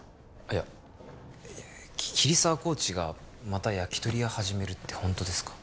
いや桐沢コーチがまた焼き鳥屋始めるって本当ですか？